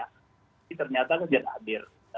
ini ternyata sudah hadir